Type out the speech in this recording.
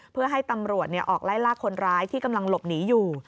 เพื่อให้ตำรวจออกไล่ลากคนร้ายที่กำลังหลบหนีอยู่